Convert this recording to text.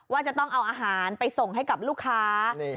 ว่าจะต้องเอาอาหารไปส่งให้กับลูกค้า